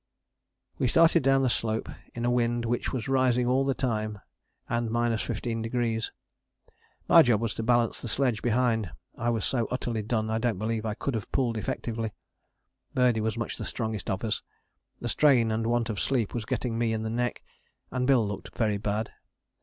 "We started down the slope in a wind which was rising all the time and 15°. My job was to balance the sledge behind: I was so utterly done I don't believe I could have pulled effectively. Birdie was much the strongest of us. The strain and want of sleep was getting me in the neck, and Bill looked very bad.